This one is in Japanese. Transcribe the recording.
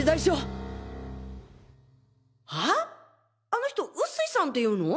あの人臼井さんっていうの？